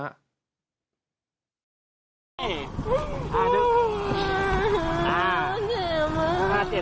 อออออไม่เที่ยวมาก